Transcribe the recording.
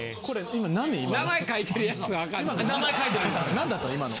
何だったの？